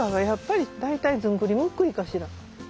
やっぱり大体ずんぐりむっくりかしら。